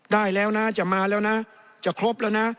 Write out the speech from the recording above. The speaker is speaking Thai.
ได้แล้วนะจะมาแล้วนะจะครบแล้วนะ